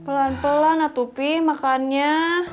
pelan pelan atopi makannya